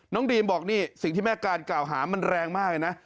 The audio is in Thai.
ดีมบอกนี่สิ่งที่แม่การกล่าวหามันแรงมากเลยนะ